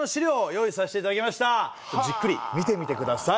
じっくり見てみてください。